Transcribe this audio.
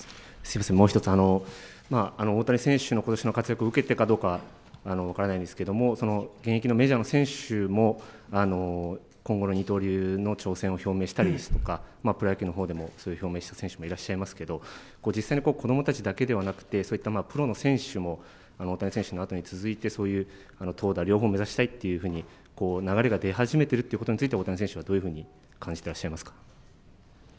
もう一つ、大谷選手のことしの活躍を受けてかどうかは分からないんですけれども、現役のメジャーの選手も、今後の二刀流の挑戦を表明したりですとか、プロ野球のほうでもそういう表明した選手もいらっしゃいますけど、実際に子どもたちだけではなくて、そういったプロの選手も大谷選手の後に続いて、そういう投打両方を目指したいというふうに、流れが出始めているということについては、大谷選手は、どんなふうに感じていらっしゃいますか。